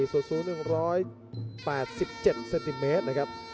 ส่วนสูง๑๘๗เซนติเมตรนะครับ